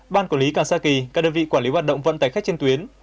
ban quản lý cảng sa kỳ các đơn vị quản lý hoạt động vận tải khách trên tuyến